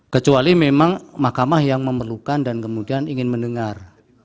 kecuali memang mahkamah yang memerlukan dan kemudian ingin mendengar